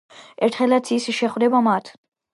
ერთხელაც ის შეხვდება მათ.